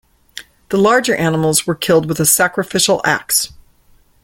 The larger animals were killed with a sacrificial axe.